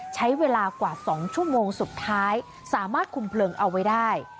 ใช้เวลากว่า๒ชั่วโมงสุดท้ายสามารถคุมเพลิงเอาไว้ได้